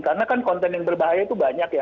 karena kan konten yang berbahaya itu banyak ya